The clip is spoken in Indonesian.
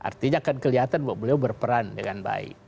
artinya akan kelihatan bahwa beliau berperan dengan baik